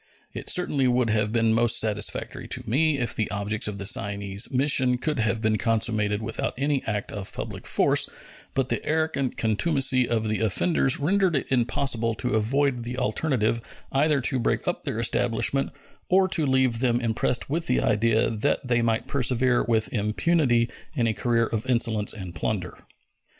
It certainly would have been most satisfactory to me if the objects of the Cyane's mission could have been consummated without any act of public force, but the arrogant contumacy of the offenders rendered it impossible to avoid the alternative either to break up their establishment or to leave them impressed with the idea that they might persevere with impunity in a career of insolence and plunder.